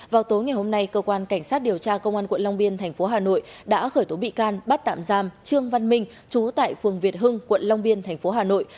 vào tối ngày hôm nay cơ quan cảnh sát điều tra công an quận long biên thành phố hà nội đã khởi tố bị can bắt tạm giam trương văn minh chú tại phường việt hưng quận long biên thành phố hà nội